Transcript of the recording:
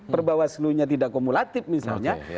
perbawah selunya tidak komulatif misalnya